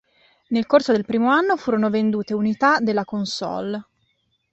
Nel corso del primo anno furono vendute unità della console.